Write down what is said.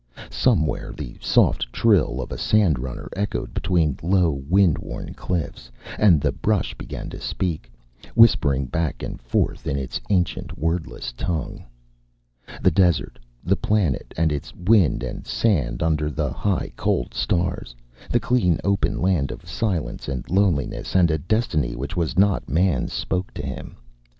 Somewhere the soft trill of a sandrunner echoed between low wind worn cliffs, and the brush began to speak, whispering back and forth in its ancient wordless tongue. The desert, the planet and its wind and sand under the high cold stars, the clean open land of silence and loneliness and a destiny which was not man's, spoke to him.